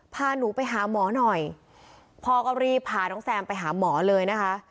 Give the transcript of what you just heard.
พาหนูไปหาหมอหน่อยพ่อก็รีบพาน้องแซมไปหาหมอเลยนะคะ